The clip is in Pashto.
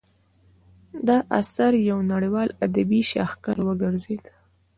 دا اثر یو نړیوال ادبي شاهکار وګرځید.